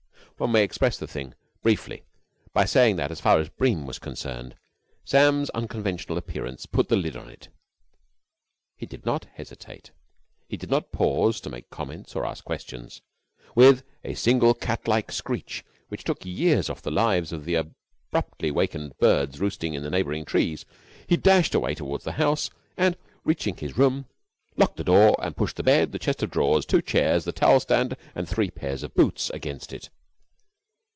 One may express the thing briefly by saying that, as far as Bream was concerned, Sam's unconventional appearance put the lid on it. He did not hesitate. He did not pause to make comments or ask questions. With a single cat like screech which took years off the lives of the abruptly wakened birds roosting in the neighbouring trees, he dashed away towards the house and, reaching his room, locked the door and pushed the bed, the chest of drawers, two chairs, the towel stand, and three pairs of boots against it.